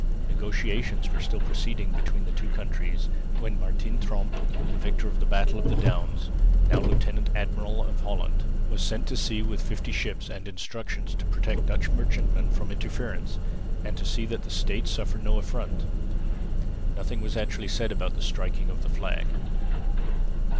Negotiations were still proceeding between the two countries, when Martin Tromp, the victor of the battle of the Downs, now lieutenant admiral of Holland, was sent to sea with fifty ships and instructions to protect Dutch merchantmen from interference, and to see that the States suffered no affront. Nothing was actually said about the striking of the flag.